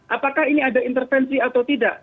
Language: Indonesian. apakah ini ada intervensi atau tidak